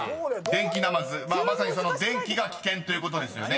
［デンキナマズまさにその電気が危険ということですよね］